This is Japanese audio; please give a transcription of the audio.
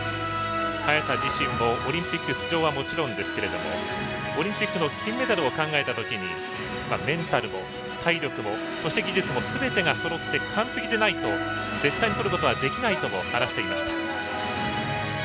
早田自身もオリンピック出場はもちろんですけどもオリンピックの金メダルを考えた時にメンタルも体力も技術もすべてがそろって完璧でないと絶対にとることはできないと話していました。